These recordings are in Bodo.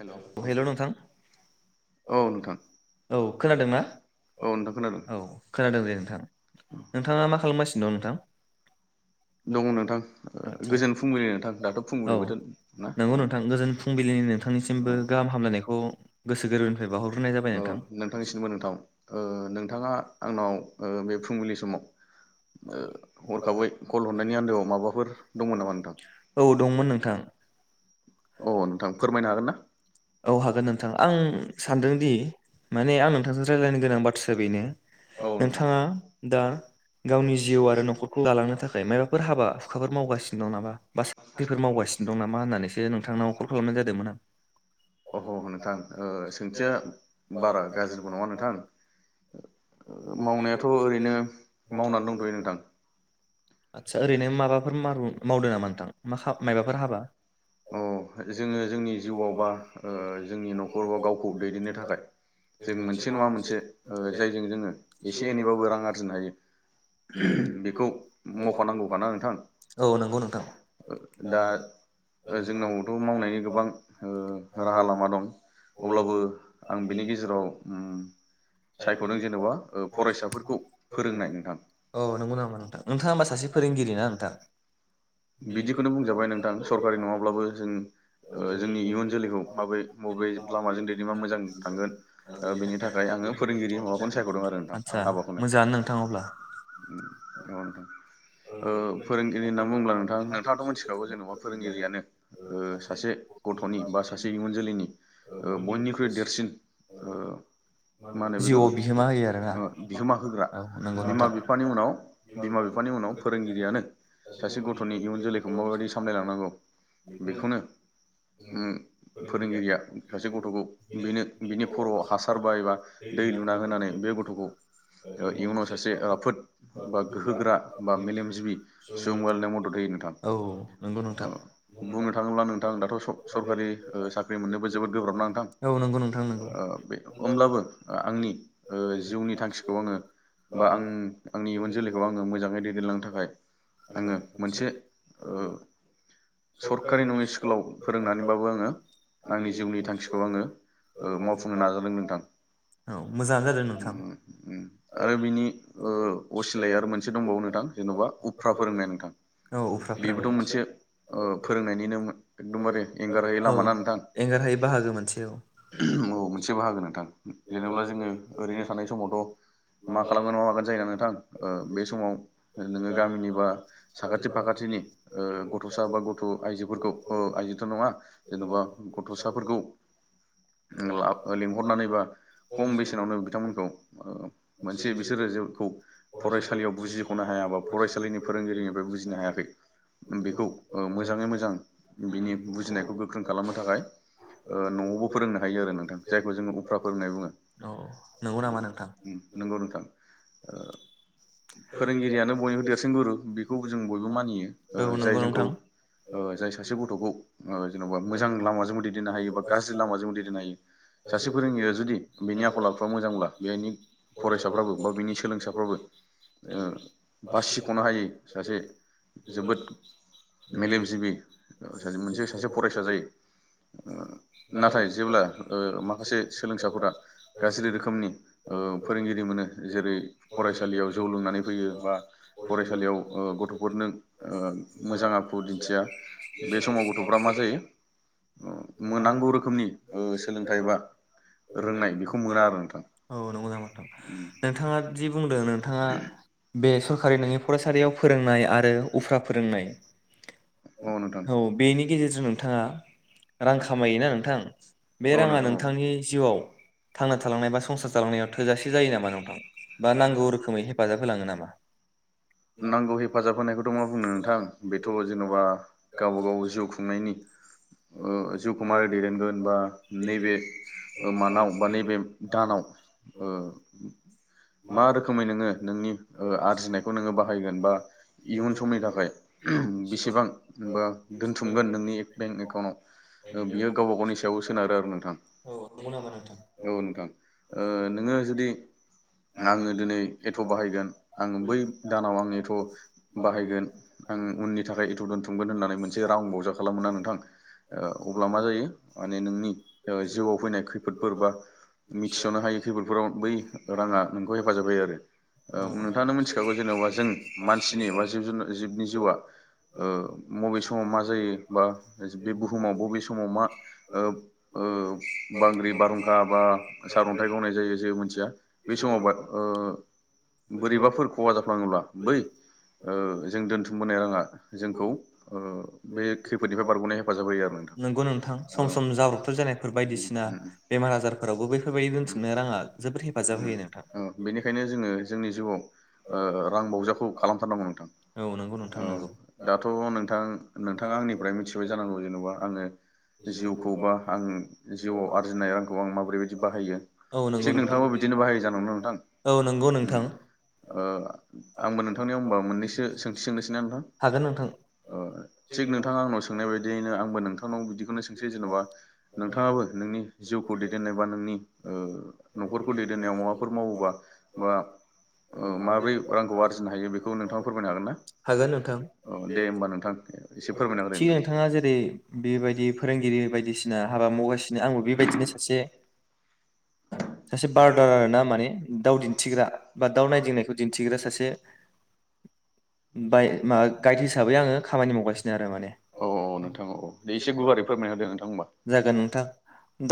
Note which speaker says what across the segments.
Speaker 1: हेल' औ
Speaker 2: हेलौ नोंथां औ नोंथां औ खोनादोंना औ
Speaker 1: नोंथां खोनादों
Speaker 2: औ खोनादों दे नोंथां नोंथाङा मा खालामगासिनो दं नोंथां
Speaker 1: दङ नोंथां ओ
Speaker 2: आदसा
Speaker 1: गोजोन फुंबिलि नोंथां दाथ
Speaker 2: औ
Speaker 1: फुंबिलि बोथोर ना?
Speaker 2: निसिमबो
Speaker 1: औ
Speaker 2: गाहाम हामलायनायखौ गोसो गोरबोनिफ्राय बावहरग्रोनाय जाबाय
Speaker 1: औ
Speaker 2: नोंथां।
Speaker 1: नोंथांनिसिमबो नोंथां ओ नोंथाङा आंनाव ओ बे फुंबिलि समाव ओ हरखाबै कल हरनायनि आन्दोआव माबाफोर दंमोन नामा नोंथां
Speaker 2: औ दंमोन नोंथां
Speaker 1: अ नोंथां फोरमायनो हागोन ना?
Speaker 2: औ हागोन नोंथां आं सानदोंदि माने आं नोंथांजों रायलायनो गोनां बाथ्राया बेनो
Speaker 1: औ नोंथां
Speaker 2: नोंथाङा दा गावनि जिउ आरो नखरखौ दालांनो थाखाय माबाफोर हाबा हुखाफोर मावगासिनो दं नामा बा साख्रिफोर मावगासिनो दं नामा होननानैसो नों नोंथांनाव कल खालामनाय जादोंमोन आं
Speaker 1: अह नोंथां सोंथिया बारा गाज्रिबो नङा नोंथां। ओ मावनायाथ ओरैनो मावनानै दंथयो नोंथां।
Speaker 2: आदसा ओरैनो माबाफोर मारुन मावदों नामा नोंथां। मा खा मायबाफोर हाबा
Speaker 1: अ जोङो जोंनि जिउआव बा ओ जोंनि नखर बा गावखौ दैदेननो थाखाय जों मोनसे नङा मोनसे ओ जायजों जोङो एसे एनैबाबो रां आरजिनो हायो बेखौ मख'नांगौखाना नोंथां
Speaker 2: औ नोंगौ नोंथां।
Speaker 1: दा जोंनावथ मावनायनि गोबां ओ राहा लामा दं अब्लाबो आं बिनि गेजेराव उम सायख'दों जेन'बा ओ फरायसाफोरखौ फोरोंनाय नोंथां
Speaker 2: [unintelligible] औ नंगौ नामा नोंथां नोंथाङा होमबा सासे फोरोंगिरि ना नोंथां?
Speaker 1: बिदिखौनो बुंजाबाय नोंथां सरखारि नङाब्लाबो जों ओ जोंनि इयुन जोलैखौ माब्रै मबे लामाजों दैदेनबा मोजां थांगोन ओ बेनि थाखाय आङो फोरोंगिरि माबाखौनो सायखदों आरो नोंथां
Speaker 2: आदसा
Speaker 1: हाबाखौनो
Speaker 2: मोजाङानो नोंथां अब्ला
Speaker 1: औ नोंथां। ओ फोरोंगिरि होन्ना बुङोब्ला दा नोंथाङाथ मोन्थिखागौ जेनबा फोरोंगिरियानो ओ सासे गथनि बा सासे इयुन जोलैनि ओ बयनिख्रुइ देरसिन ओ मा होनो बेखौ
Speaker 2: जिउआव बिहोमा होयो आरोना
Speaker 1: बिहोमा होग्रा
Speaker 2: औ नंगौ
Speaker 1: बिमा
Speaker 2: नोंथां
Speaker 1: बिफानि उनाव बिमा बिफानि उनाव फोरोंगिरियानो सासे गथ थ नि इयुन जोलैखौ माबायदि सामलायलांनांगौ बेखौनो उम फोरोंगिरिया सासे गथखौ बेनो बिनि खर'आव हासार बा एबा दै लुना होनानै बे गथखौ इयुनाव सासे राफोद बा गोहोगोरा बा मेलेमजिबि सुबुं वानना मद फैयो नोंथां
Speaker 2: औ नंगौ नोंथां
Speaker 1: औ। बुंनो थाङोब्ला नोंथां दाथ स-सरखारि ओ साख्रि मोननोबो जोबोद गोब्राब ना नोंथां
Speaker 2: औ नंगौ नोंथां नंगौ
Speaker 1: ओ बे ओमब्ला बो आंनि ओ जिउनि थांखिखौ आङो बा आं आंनि इयुन जोलैखौ आङो मोजाङै दैदेनलांनो थाखाय आङो मोनसे ओ सरखारि नङै स्कुलाव फोरोंनानैबाबो आङो आंनि जिउनि थांखिखौ आङो ओ मावफुंनो नाजादों नोंथां।
Speaker 2: औ मोजाङानो जादों
Speaker 1: उम
Speaker 2: नोंथां
Speaker 1: उम आरो बिनि ओ असिलाया आरो मोनसे दंबावो नोंथां जेनबा उफ्रा फोरोंनाय नोंथां।
Speaker 2: औ उफ्रा फोरोंनाय
Speaker 1: बेबोथ' मोनसे ओ फोरोंनायनिनो एकदमबारे एंगारहै
Speaker 2: औ
Speaker 1: लामा ना नोंथां
Speaker 2: एंगारहायै बाहागो मोनसे औ
Speaker 1: औ मोनसे बाहागो नोंथां। जेनेबा जोङो ओरैनो थानाय समावथ मा खालामगोन मा मागोन जायो ना नोंथां ओ बे समाव नोङो गामिनि बा साखाथि फाखाथिनि ओ गथसा बा गथ आइजोफोरखौ आइजोथ नङा जेनबा गथसाफोरखौ ला लिंहरनानैबा खम बेसेनावनो बिथांमोनखौ ओ मोनसे बिसोरो जिखौ फरायसालियाव बुजिखनो हायाबा फरायसालिनि फोरोंगिरि बुजिनो हायाखै बेखौ मोजाङै मोजां बिनि बुजिनायखौ गोख्रों खालामनो थाखाय नआवबो फोरोंनो हायो आरो नोंथां जायखो जों उफ्रा फोरोंनाय बुङो।
Speaker 2: औ नंगौ नामा नोंथां
Speaker 1: उम नोंगौ नोंथां ओ फोरोंगिरियानो बयनिबो देरसिन गुरु खौ जों बयबो मानियो ओ
Speaker 2: औ
Speaker 1: जाय
Speaker 2: नंगौ
Speaker 1: जोंखौ
Speaker 2: नोंथां
Speaker 1: ओ जाय सासे गथखौ ओ जेनबा मोजां लामाजोंबो दैदेननो हायो बा गाज्रि लामाजोंबो दैदेननो हायो सासे फोरोंगिरिया जुदि बेनि आखल आखुआ मोजांब्ला बेनि फरायसाफ्राबो बा बिनि सोलोंसाफ्राबो ओ बासिखनो हायै सासे जोबोद मेलेमजिबि ओ मोनसे सासे फरायसा जायो ओ नाथाय जेब्ला ओ माखासे सोलों फरायसाफोरा गाज्रि रोखोमनि ओ फोरोंगिरि मोनो जेरै-फरायसालियाव जौ लोंनानै फैयो बा फरायसालियाव गथ'फोरनो ओ मोजां आखु दिन्थिया बे समाव गथ'फ्रा मा जायो ओ मोनांगौ रोखोमनि ओ सोलोंथाइ बा रोंनाय बेखौ मोना
Speaker 2: [unintelligible]
Speaker 1: आरो नोंथां
Speaker 2: औ नंगौ नामा नोंथां? नोंथाङा जि बुंदों नोंथाङा बे सरकारि नोंङै फरायसालियाव फोरोंनाय आरो उफ्रा फोरोंनाय औ बेनि गेजेरजों नोंथाङा रां खामायोना नोंथां बे
Speaker 1: औ
Speaker 2: राङा
Speaker 1: नोंथां औ
Speaker 2: नोंथांनि जिउआव थांना थालांनाय बा संसार जालांनायाव थोजासे जायो नामा नोंथां बा नांगौ रोखोमै हेफाजाब होलाङो नामा?
Speaker 1: नांगौ हेफाजाब होनायखौथ'मा बुंनो नोंथां बेथ' जेनबा गावबा गाव जिउ खुंनायनि ओ जिउखौ मारै दैदेनगोन बा नैबे ओ मानाव बा नैबे दानाव ओ मा रोखोमै नोङो नोंनि ओ आरजिनायखौ नोङो बां बाहायगोन बा इयुन समनि थाखाय बेसेबां बा दोनथुमगोन नोंनि बेंक एकाउन्टाव बियो गावबा गावनि सायावबो सोनारो आरो नोंथां। औ
Speaker 2: नंगौ नामा नोंथां
Speaker 1: नङा। औ नोंथां ओ नोङो जुदि आङो दिनै एट बाहायगोन आङो बै दानाव आं एथ‌' बाहायगोन आं उननि थाखाय एथ' दोनथुमगोन होननानै मोनसे रां बुरजा खालामोना नोंथां ओ अब्ला मा जायो माने नोंनि ओ जिउआव फैनाय खैफोदफोर बा मिथिस'नो हायै खैफोदफोराव बै राङा नोंखौ हेफाजाब होयो आरो ओ नोंथाङानो मिथिखागौ। जेनेबा जों मानसिनि बा जिब जुनार जिबनि जिउआ ओ बबे समाव मा जायो बा बे बुहुमाव बबे समाव मा ओ ओब बांग्रि बारहुंखा बा सारन्थाइ गावनाय जायो जेबो मिनथिया। बे समाव बा ओ बोरैबाफोर खहा जाफ्लाङोब्ला बै ओ जों दोन्थुमबोनाय राङा जोंखौ ओ बे खैफोदनिफ्राय बारग'नाय हेफाजाब होयो आरो नोंथां। औ
Speaker 2: फोर जानायफोर
Speaker 1: उम
Speaker 2: बायदिसिना
Speaker 1: उम
Speaker 2: बेमार आजारफोरावबो बैफोरबायदि दोनथुमनाय राङा जोबोर हेफ
Speaker 1: ओम ओ बेनिखायनो जोङो जोंनि जिउआव ओ रां बावजाखौ खालामथारनांगौ नोंथां
Speaker 2: औ नंगौ नोंथां
Speaker 1: औ
Speaker 2: नंगौ
Speaker 1: दाथ नोंथां नोंथाङा आंनिफ्राय मिथिबाय जानांगौ जेनबा आङो जिउखौ बा आं जिउआव आरजिनाय रांखौ आं माबोरैबायदि बाहायो
Speaker 2: औ नंगौ
Speaker 1: थिग
Speaker 2: नोंथां
Speaker 1: बिदिनो बाहायो जानांगौ ना नोंथां
Speaker 2: औ नंगौ
Speaker 1: उम
Speaker 2: नोंथां
Speaker 1: ओ आंबो नोंथांनियाव होमबा मोननैसो सोंथि सोंनोसै ना नोंथां
Speaker 2: हागोन नोंथां
Speaker 1: ओ थिग नोंथाङा आंनाव सोंनाय बायदियैनो आंबो नोंथांनाव बिदिखौनो सोंसै जेनबा नोंथाङाबो नोंनि जिउखौ दैदेननाय बा नोंनि ओ नखरखौ दैदेननायाव माबाफोर मावोबा बा ओ माब्रै रांखौ आरजिनो हायो बेखौ नोंथाङा फोरमायनो हागोन ना
Speaker 2: हागोन नोंथां
Speaker 1: औ दे होमबा नोंथां एसे फोरमायना होलाय
Speaker 2: थिग
Speaker 1: नोंथां।
Speaker 2: नोंथाङा जेरै ना हाबा मावगासिनो आंबो बेबायदिनो सासे सासे बारदार आरो ना माने दाउ दिन्थिग्रा बा दाउ नायदिंनायखौ दिन्थिग्रा सासे बाय मा गाइड हिसाबै आङो खामानि मावगासिनो आरो माने।
Speaker 1: औ औ नोंथां औ दे एसे गुवारै फोरमायना होदो नोंथां होमबा
Speaker 2: जागोन नोंथां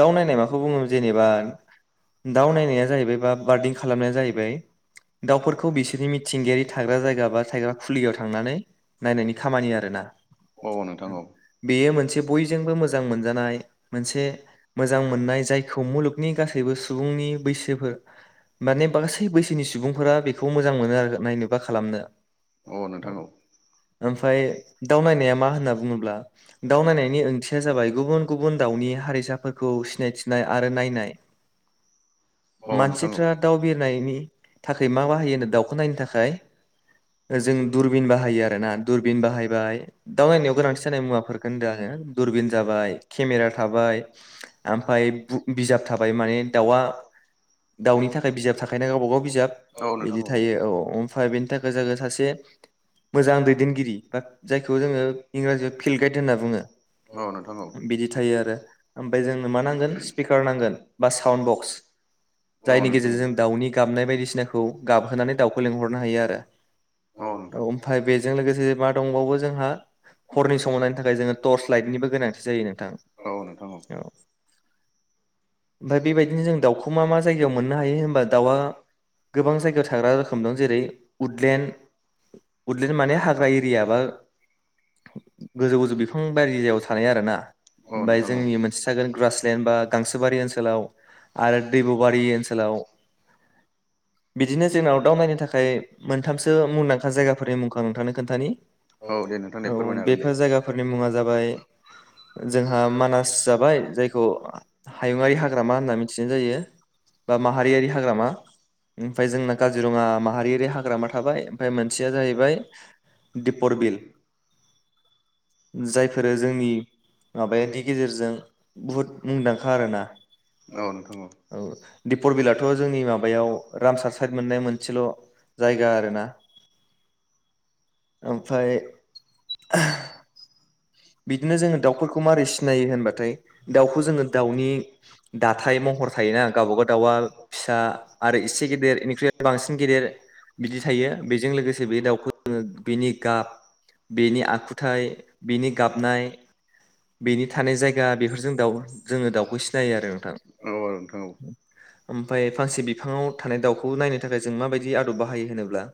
Speaker 2: दाउ नायनाय माखौ बुङो जेनेबा दाउ नायनाया जाहैबाय बा बार्डिं खालामनाया जाहैबाय दाउफोरखौ बिसोरनि मिथिंगायारि थाग्रा जायगा बा थाग्रा खुलियाव थांनानै नायनायनि खामानि आरो ना
Speaker 1: औ औ नोंथां औ
Speaker 2: बेयो मोनसे बयजोंबो मोजां मोन जानाय मोनसे मोजां मोननाय जायखौ मुलुगनि गासैबो सुबुं नि [unintelligible] माने बांसे बैसोनि सुबुंफोरा बेखौ मोजां मोनो आरो नायनो बा खालामनो।
Speaker 1: औ नोंथां औ
Speaker 2: ओमफ्राय दाउ नायनाया मा होनना बुङोब्ला, दाव नायनायनि ओंथिया जाबाय गुबुन गुबुन दाउनि हारिसाफोरखौ सिनायथिनाय आरो नायनाय।
Speaker 1: औ नोंथां औ
Speaker 2: मानसिफ्रा दाउ बिरनायनि थाखै मा बाहायो होनदों दाउखौ नायनो थाखाय, जों दुरबिन बाहायो आरोना, दुरबिन बाहायबाय, दाउ नायनायाव गोनांथि जानाय मुवाफोरफोरखौ होनदों आङो दुरबिन जाबाय, खेमेरा थाबाय, आमफाय बु बिजाब थाबाय माने दाउ आ दाउनि थाखाय बिजाब थाखायोना गावबा गाव बिजाब
Speaker 1: औ नोंथां
Speaker 2: बिदि थायो। औ औ ओमफ्राय बेनि थाखो जाङो सासे मोजां दैदेनगिरि बा जायखौ जोङो इंराजियाव फिल्ड गाइद होनना बुङो
Speaker 1: औ नोंथां औ
Speaker 2: बिदि थायो आरो, ओमबाय जोंनो मा नांगोन स्पिकार नांगोन बा साउन्द बक्स,
Speaker 1: औ
Speaker 2: जायनि
Speaker 1: नोंथां
Speaker 2: गेजेरजो जों दाउनि गाबनाय बायदिसिनाखौ गाबहोनानै दाउखौ लिंहरनो हायो आरो।
Speaker 1: औ औ नोंथां
Speaker 2: ओमफाय बेजों लोगोसे मा दंबावो जोंहा हरनि समाव नायनो थाखाय जोङो टर्च लाइटनिबो गोनांथि जा यो नोंथां।
Speaker 1: औ औ नोंथां
Speaker 2: औ ओमफाय बेबायदिनो जों दाउखौ मा मा जायगायाव मोननो हायो होनबा दाउआ गोबां जायगायाव थाग्रा रोखोम दं। जेरै उदलेण्ड उदलेण्ड माने हाग्रा एरिया बा गोजौ गोजौ बिफां बारियाव थानाय आरो ना।
Speaker 1: औ
Speaker 2: ओमबाय
Speaker 1: नोंथां औ
Speaker 2: जोंनि मोनसे थागोन ग्रासलेण्ड बा गांसोबारि ओनसोला आरो दैबुबारि ओनसोलाव बिदिनो जोंनाव दाव नायनो थाखाय मोनथामसो मुंदांखा जायगाफोरनि मुंखां नोंथांनो खोन्थानि,
Speaker 1: औ दे नोंथां
Speaker 2: औ
Speaker 1: दे फोरमायनो हागोन दे।
Speaker 2: बेफोर जायगाफोरनि मुङा जाबाय जोंहा मानास जाबाय जायखौ हायुङारि हाग्रा थिजायो माहारियारि हाग्रामा ओमफ्राय जोंना काजिरङा माहारियारि हाग्रामा थाबाय ओमफ्राय मोनसेया जाहैबाय दिपर बिल जायफोरो जोंनि माबानि गेजेरजों बुहुद मुंदांखा आरोना औ दिपरबिलाथ' जोंनि माबायाव रामसार साइद मोननाय मोनसेल' जायगा आरोना
Speaker 1: [inaudible]
Speaker 2: ओमफ्राय बिदिनो जोङो दाउ दाउफोरखौ माबोरै सिनायो होनबाथाय दाउखौ जोङो दाउनि दाथाय महर थायोना गावबागाव दाउआ फिसा आरो एसे गेदेर इनिख्रुइय बांसिन गेदेर बिदि थायो बेजों लोगोसे बे दाउखौ जोङो बिनि गाब बिनि आखुथायाइ बिनि गाबनाय बेनि थानाय जायगा बेफोरजों दाउ जोङो दाउखौ सिनायो आरो नोंथां
Speaker 1: औ औ नोंथां औ
Speaker 2: ओमफ्राय फांसे बिफाङाव थानाय दाउखौ नायनो थाखाय जों माबायदि आदब बाहायो होनोब्ला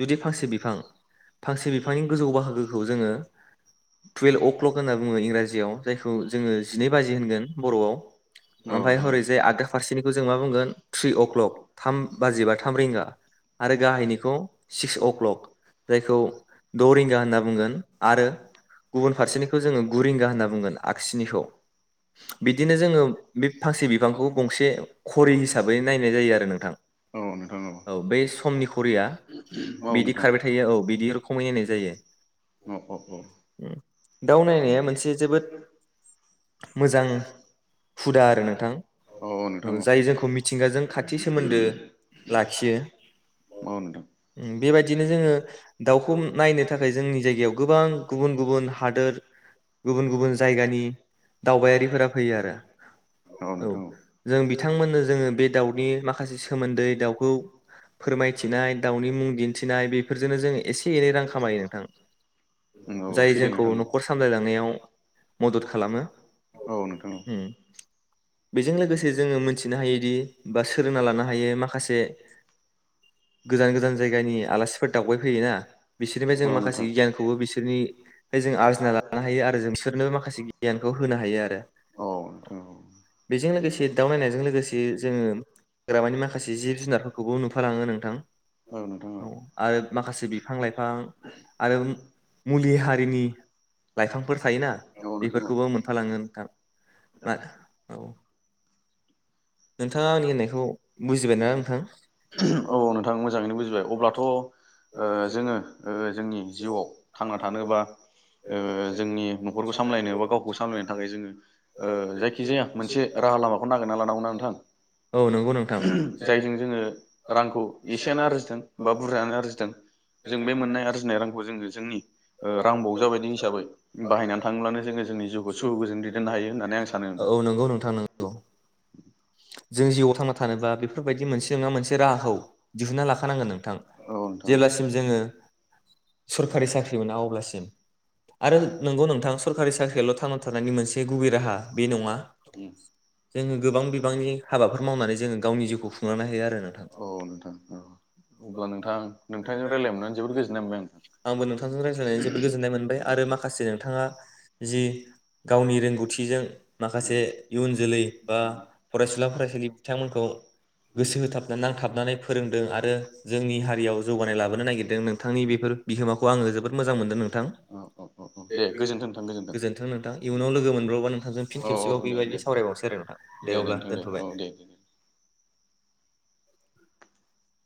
Speaker 2: जुदि फांसे बिफां फांसे बिफांनि गोजौ बाहागोखौ जोङो टुवेल्भ अक होनना बुङो इंराजियाव जायखौ जोङो जिनै बाजि होनगोन बरआव
Speaker 1: औ
Speaker 2: ओमफ्राय
Speaker 1: नोंथां
Speaker 2: हरै जाय आगदा फारसेनिखौ जों मा बुंगोन थ्रि अ क्लक थाम बाजिबा थाम रिंगा आरो गाहायनिखौ सिक्स अ क्लक जायखौ दरिंगा होनना बुंगोन आरो गुबुन फारसेनि जोङो गु रिंगा होन्ना बुंगोन आगसिनिखौ बिदिनो जोङो बे फांसे बिफांखौ गंसे घरि हिसाबै नायनाय जायो आरो नोंथां
Speaker 1: औ नोंथां
Speaker 2: औ बै समनि गारिया
Speaker 1: औ
Speaker 2: बिदि
Speaker 1: नोंथां
Speaker 2: खारबाय थायो बिरखमायनाय जायो
Speaker 1: औ
Speaker 2: दाउ नायनाया मोनसे जोबोद मोजां हुदा आरो नोंथां
Speaker 1: औ नोंथां औ
Speaker 2: जाय जोंखौ मिथिंगाजों खाथि सोमोन्दो लाखियो
Speaker 1: औ नोंथां
Speaker 2: बेबायदिनो जोङो दाउखौ नायनो थाखाय जोंनि जायगायाव गोबां गुबुन गुबुन हादोर गुबुन गुबुन जायगानि दावबायारिफोरा फैयो आरो औ जों बिथांमोननो जोङो बे दाउनि माखासे सोमोन्दै दाउखौ फोरमायथिनाय दाउनि मुं दिन्थिनाय बेफोरजोंनो जों एसे एनै रां खामायो नोंथां जाय
Speaker 1: सैथो
Speaker 2: जों औ
Speaker 1: नोंथां
Speaker 2: नं नखर सामलाय लांनायाव मदद खालामो
Speaker 1: औ नोंथां
Speaker 2: ओ बेजों लोगोसे जोङो मोनथिनो हायोदि बा सोलोंना लानो हायो माखासे गोजान गोजान जायगानि आलासिफोर दावबायफैयोना बिसोरनिफ्राय
Speaker 1: औ
Speaker 2: जों माखासे
Speaker 1: नोंथां
Speaker 2: गियानखौबो बिसोरनि जों आरजिना लानो हायो आरो जों बिसोरनो माखासे गियानखौ होनो हायो आरो
Speaker 1: औ नोंथां
Speaker 2: बेजों लोगोसे दाउ नायनायजों लोगोसे जोङो हाग्रामानि माखासे जिब जुनारफोरखौबो नुफालाङो नोंथां
Speaker 1: औ दङो आरो माखासे दंफां लाइफां आरो मुलि हा
Speaker 2: हारिनि लाइफांफोर थायोना
Speaker 1: औ
Speaker 2: बेफोरखौबो मोनफालाांगोन नोंथां औ
Speaker 1: नोंथाङा आंनि बुंनायखौ बुजिबायना नोंथां औ नोंथां मोजाङैनो बुजिबाय अब्लाथ जोङो जोंनि जिउआव थांना थानोबा जोंनि नखरखौ सामलायनो बा गावखौ सामलायनो थाखाय जोङो जायखिजाया मोनसे राहा लामाखौ नागिरना लानांगौना नोंथां
Speaker 2: औ नंगौ नोंथां
Speaker 1: जायजों जोङो रांखौ एसेयानो आरजिदों बा बुरजायानो आरजिदों जों बे मोननाय आरजिनाय रांखौ जोङो जोंनि रांबाव हिसाबै बायनानै थाङोब्लानो जोङो जोंनि जिउखौ सुखु गोजोन दैदेननो हायो होननानै आं सानो होनदों
Speaker 2: औ नंगौ नोंथां नंगौ जों जिउआव थांना थानोब्ला बेफोरबायदि मोनसे नङा मोनसे राहाखौ दिहुनना लाखानांगोन नोंथां
Speaker 1: औ नोंथां
Speaker 2: जेलासिम जोङो सरखारि साख्रि मोना अब्लासिम
Speaker 1: आरो नंगौ नोंथां सरखारि साख्रिलयाल थांना थानायनि मोनसे गुबै राहा बे नङा उम जोङो गोबां बिबांनि
Speaker 2: हाबाफोर मावनानै जोङो गावनि जिउखौ खुंलानो हायो आरो नोंथां अ
Speaker 1: औ नोंथां औ अब्ला नोंथां नोंथांजों रायज्लाय मोननानै जोबोद गोजोननाय मोनबाय आं
Speaker 2: [unintelligible] आंबो नोंथांजों रायज्लायनानै जोबोद गोजोन्नाय मोनो आरो माखासे नोंथाङा जि गावनि रोंगौथिजों माखासे इयुन जोलै बा फरायसुला फराय बिथांमोनखौ गोसो होथाबना नांथाबनानै फोरोंदों आरो जोंनि हारियाव जौगानाय लाबोनो नागिरदों नोंथांनि बेफोर बिहोमाखौ आङो जोबोद मोजां मोनदों नोंथां
Speaker 1: औ औ औ औ
Speaker 2: दे गोजोनथों
Speaker 1: गोजोन्थों नोंथां
Speaker 2: गोजोन्थों नोंथां इयुनाव लोगो मोनब्लावबा नोंथांजों फिन
Speaker 1: औ औ
Speaker 2: खेबसेबाव
Speaker 1: दे
Speaker 2: बेबायदि
Speaker 1: दे
Speaker 2: सावरायबावनोसै आरो नोंथां दे अब्ला दोनथबाय
Speaker 1: औ दे
Speaker 2: [inaudible]